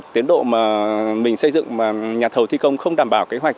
tiến độ mà mình xây dựng mà nhà thầu thi công không đảm bảo kế hoạch